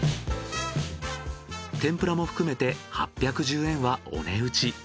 天ぷらも含めて８１０円はお値打ち。